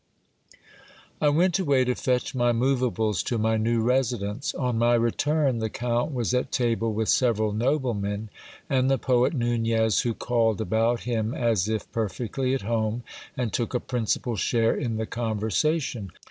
I went away to fetch my moveables to my new residence. On my return the count was at table with several noblemen and the poet Nunez, who called about him as if perfectly at home, and took a principal share in the conversa tion.